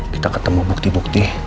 kita ketemu bukti bukti